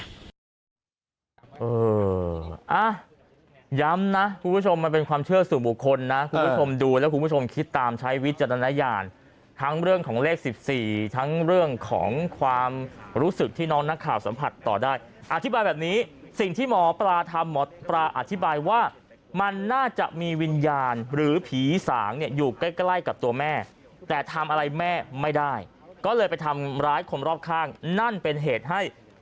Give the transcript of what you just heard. ย้ำนะคุณผู้ชมมันเป็นความเชื่อสู่บุคคลนะคุณผู้ชมดูแล้วคุณผู้ชมคิดตามใช้วิจารณญาณทั้งเรื่องของเลข๑๔ทั้งเรื่องของความรู้สึกที่น้องนักข่าวสัมผัสต่อได้อธิบายแบบนี้สิ่งที่หมอปลาทำหมอปลาอธิบายว่ามันน่าจะมีวิญญาณหรือผีสางเนี่ยอยู่ใกล้ใกล้กับตัวแม่แต่ทำอะไรแม่ไม่ได้ก็เลยไปทำร้ายคนรอบข้างนั่นเป็นเหตุให้